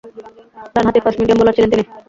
ডানহাতি fast medium bowler ছিলেন তিনি।